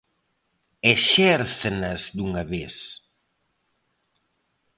Exérzanas dunha vez.